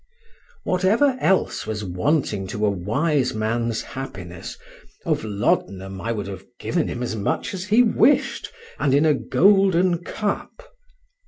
Whatever else was wanting to a wise man's happiness, of laudanum I would have given him as much as he wished, and in a golden cup.